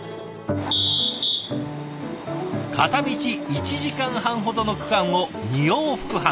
片道１時間半ほどの区間を２往復半。